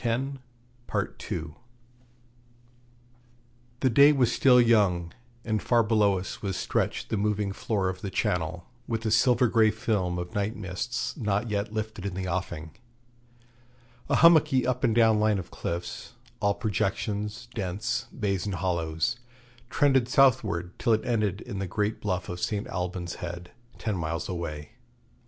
The day was still young, and far below us was stretched the moving floor of the Channel, with a silver grey film of night mists not yet lifted in the offing. A hummocky up and down line of cliffs, all projections, dents, bays, and hollows, trended southward till it ended in the great bluff of St. Alban's Head, ten miles away.